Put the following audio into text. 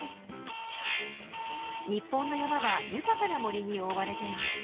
日本の山は豊かな森に覆われています。